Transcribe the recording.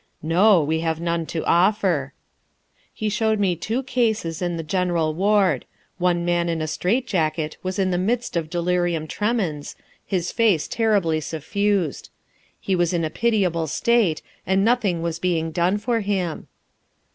"No; we have none to offer." He showed me two cases in the general ward; one man in a strait jacket was in the midst of delirium tremens, his face terribly suffused. He was in a pitiable state, and nothing was being done for him.